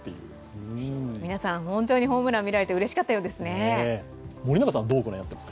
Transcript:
皆さん、本当にホームラン見られてうれしかったようですね。